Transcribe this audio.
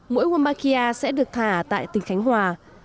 mũi wombakia sẽ được thả tại tỉnh khánh hòa